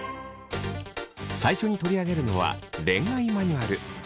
最初に取り上げるのは恋愛マニュアル。